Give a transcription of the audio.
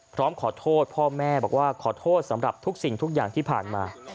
พร้อมขอโทษพ่อแม่บอกว่าขอโทษสำหรับทุกสิ่งทุกอย่างที่ผ่านมา